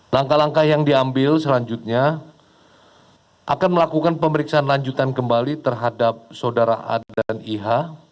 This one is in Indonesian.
langkah langkah yang diambil selanjutnya akan melakukan pemeriksaan lanjutan kembali terhadap saudara a dan iha